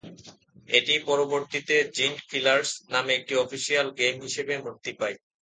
এটি পরবর্তীতে "জিন্ট কিলারস" নামে একটি অফিসিয়াল গেম হিসেবে মুক্তি পায়।